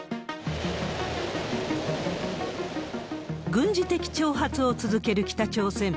軍事的挑発を続ける北朝鮮。